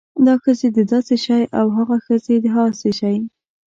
دا ښځې د داسې شی او هاغه ښځې د هاسې شی